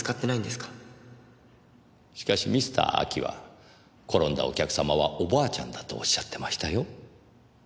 しかしミスター・アキは転んだお客様はおばあちゃんだとおっしゃってましたよ。